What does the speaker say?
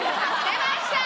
出ました！